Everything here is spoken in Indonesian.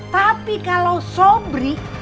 tapi kalau sobri